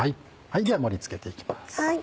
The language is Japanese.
では盛り付けていきます。